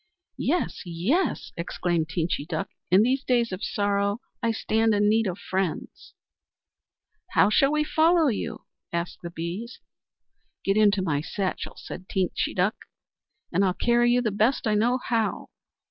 "Yes, yes!" exclaimed Teenchy Duck. "In these days of sorrow I stand in need of friends." "How shall we follow you?" asked the Bees. "Get into my satchel," said Teenchy Duck. "I'll carry you the best I know how."